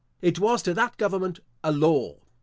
It was to that government a law.